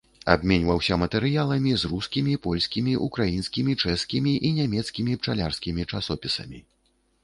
Абменьваўся матэрыяламі з рускімі, польскімі, украінскімі, чэшскімі і нямецкімі пчалярскімі часопісамі.